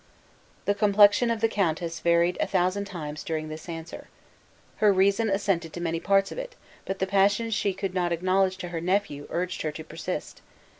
The complexion of the countess varied a thousand times during this answer. Her reason assented to many parts of it; but the passion she could not acknowledge to her nephew, urged her to persist.